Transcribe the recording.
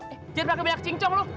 eh jangan pake banyak cincong lu